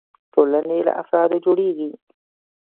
ټولنې له افرادو جوړيږي.